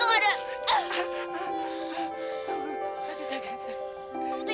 kamu sakit sekali